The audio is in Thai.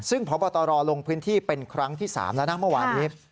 ซึ่งพบตรลงพื้นที่เป็นครั้งที่๓แล้วนะเมื่อวานนี้